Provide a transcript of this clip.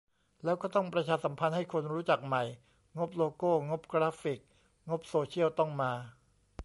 แล้วก็ต้องประชาสัมพันธ์ให้คนรู้จักใหม่ งบโลโก้ งบกราฟิก งบโซเชียลต้องมา